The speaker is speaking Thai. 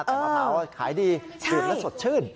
แต่มะพร้าวขายดีดื่มแล้วสดชื่น